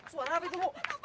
suara apa itu